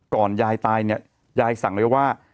ยายตายเนี่ยยายสั่งไว้ว่า